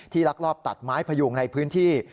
ลักลอบตัดไม้พยุงในพื้นที่